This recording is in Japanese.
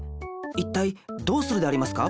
いったいどうするでありますか？